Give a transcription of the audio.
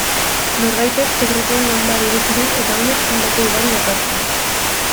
Norbaitek sekretuen ganbara ireki du eta honek hildako ugari dakartza.